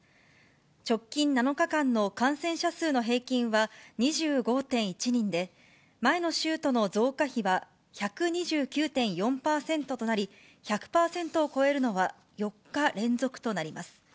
直近７日間の感染者数の平均は２５．１人で、前の週との増加比は１２９．４％となり、１００％を超えるのは４日連続となります。